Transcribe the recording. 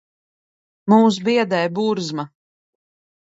Mūs biedē burzma.